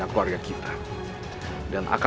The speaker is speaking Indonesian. aku membencimu darmala